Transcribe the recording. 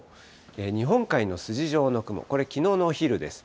日本海の筋状の雲、これ、きのうのお昼です。